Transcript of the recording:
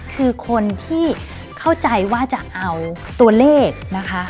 คือคนที่เข้าใจว่าจะเอาตัวเลขนะคะ